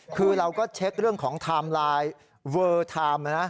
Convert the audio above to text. คือเราก็เช็คเรื่องของเวอร์ไทม์